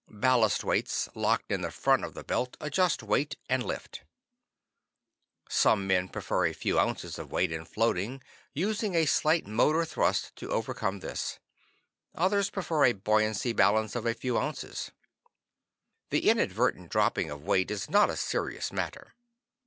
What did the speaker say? Ballast weights locked in the front of the belt adjust weight and lift. Some men prefer a few ounces of weight in floating, using a slight motor thrust to overcome this. Others prefer a buoyance balance of a few ounces. The inadvertent dropping of weight is not a serious matter.